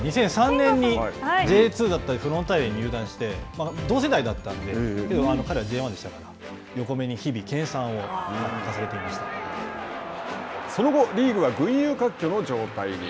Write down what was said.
２００３年にＪ２だったフロンターレに入団して同世代だったんでけど彼はＪ１でしたからその後リーグは群雄割拠の状態に。